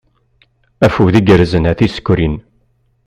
Afud igerrzen a tisekrin.